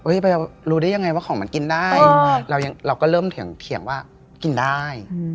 ไปรู้ได้ยังไงว่าของมันกินได้เราก็เริ่มเถียงว่ากินได้